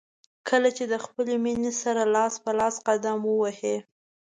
کله چې د خپلې مینې سره لاس په لاس قدم ووهئ.